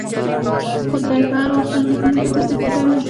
خو دی به هر وخت اندېښمن و، که زه د ده پر ځای وای.